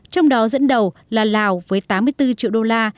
trong đó dẫn đầu là lào với tám mươi bốn triệu đô la